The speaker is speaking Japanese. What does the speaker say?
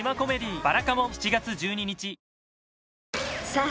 ［さあ